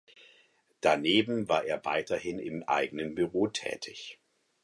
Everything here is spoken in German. Daneben war er weiterhin im eigenen Büro tätig.